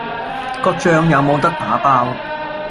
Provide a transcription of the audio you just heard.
個醬有冇得打包？